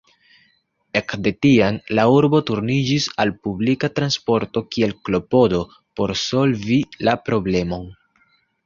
Ekde tiam la urbo turniĝis al publika transporto kiel klopodo por solvi la problemon.